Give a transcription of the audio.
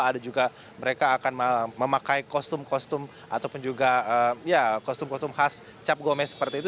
ada juga mereka akan memakai kostum kostum ataupun juga ya kostum kostum khas cap gome seperti itu